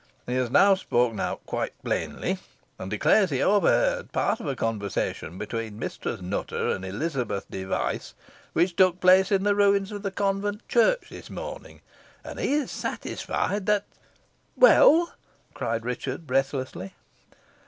He has now spoken out plainly, and declares he overheard part of a conversation between Mistress Nutter and Elizabeth Device, which took place in the ruins of the convent church this morning, and he is satisfied that " "Well!" cried Richard, breathlessly.